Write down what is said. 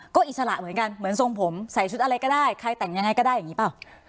ก็อิสระเหมือนกันเหมือนทรงผมใส่ชุดอะไรก็ได้ใครแต่งยังไงก็ได้อย่างนี้เปล่า